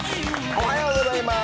おはようございます。